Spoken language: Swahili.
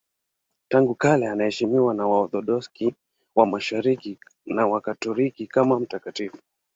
Tangu kale anaheshimiwa na Waorthodoksi wa Mashariki na Wakatoliki kama mtakatifu.